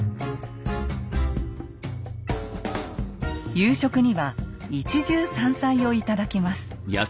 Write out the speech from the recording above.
夕食には一汁三菜を頂きます。